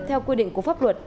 theo quy định của pháp luật